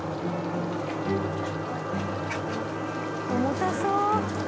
重たそう。